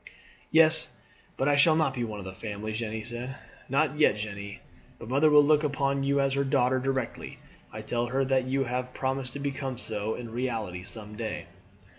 "Yes; but I shall not be one of the family," Jeanne said. "Not yet, Jeanne. But mother will look upon you as her daughter directly I tell her that you have promised to become so in reality some day."